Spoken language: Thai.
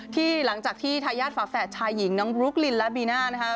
ที่หลังจากที่ทายาทฝาแฝดชายหญิงน้องบลุ๊กลินและบีน่านะคะ